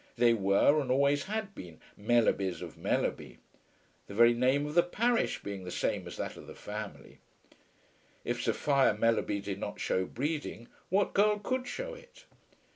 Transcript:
They were and always had been Mellerbys of Mellerby, the very name of the parish being the same as that of the family. If Sophia Mellerby did not shew breeding, what girl could shew it?